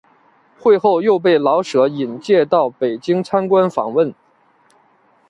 会后又被老舍引介到北京参观访问。